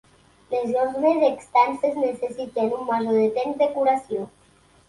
Lesions més extenses necessiten un major temps de curació.